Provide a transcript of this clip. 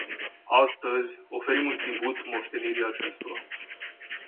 Astăzi, oferim un tribut moștenirii acestora.